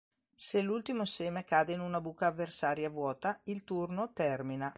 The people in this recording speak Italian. Se l'ultimo seme cade in una buca avversaria vuota, il turno termina.